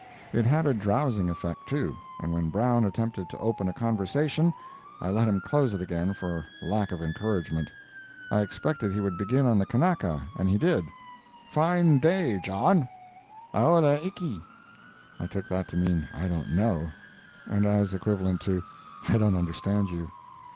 It had a drowsing effect, too, and when Brown attempted to open a conversation, I let him close it again for lack of encouragement. I expected he would begin on the Kanaka, and he did: "Fine day, John." "Aole iki." [I took that to mean "I don't know," and as equivalent to "I don't understand you."